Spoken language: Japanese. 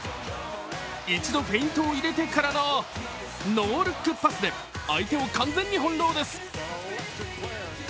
一度フェイントを入れてからのノールックパスで相手を完全に翻弄です。